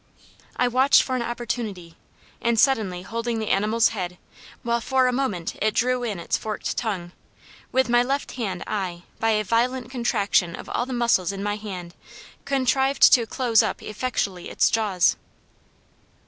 I watched an opportunity, and suddenly holding the animal's head, while for a moment it drew in its forked tongue, with my left hand I, by a violent contraction of all the muscles in my hand, contrived to close up effectually its jaws!